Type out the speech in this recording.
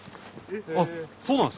あっそうなんすか？